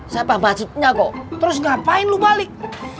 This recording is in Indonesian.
siapa budgetnya kok terus ngapain lu balik